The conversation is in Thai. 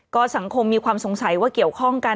ก็สังคมมีความสงสัยว่าเกี่ยวข้องกัน